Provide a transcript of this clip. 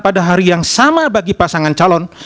pada hari yang sama bagi pasangan calon